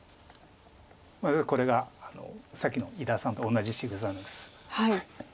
これがさっきの伊田さんと同じしぐさなんです。